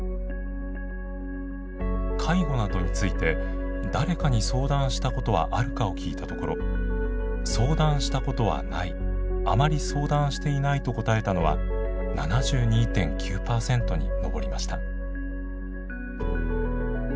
介護などについて「誰かに相談したことはあるか」を聞いたところ「相談したことはない」「あまり相談していない」と答えたのは７２．９％に上りました。